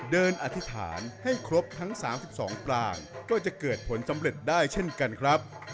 อธิษฐานให้ครบทั้ง๓๒ปลางก็จะเกิดผลสำเร็จได้เช่นกันครับ